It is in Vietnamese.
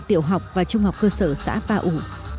tiểu học và trung học cơ sở xã pa u